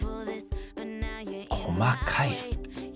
細かい。